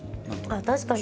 確かに。